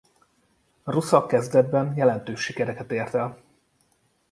Rusza kezdetben jelentős sikereket ért el.